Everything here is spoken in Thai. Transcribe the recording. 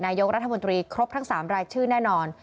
นายกรัฐมนตรีครบทั้ง๓รายชื่อแน่นอน